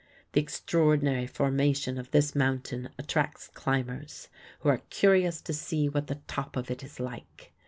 The extraordinary formation of this mountain attracts climbers, who are curious to see what the top of it is like.